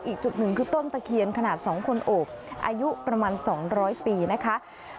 อีกจุดหนึ่งคือต้นตะเคียนขนาด๒คนโอบอายุประมาณ๒๐๐ปีนะคะ